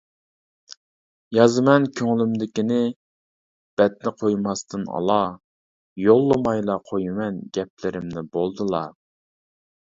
يازىمەن كۆڭلۈمدىكىنى بەتنى قويماستىن ئالا، يوللىمايلا قويىمەن گەپلىرىمنى بولدىلا.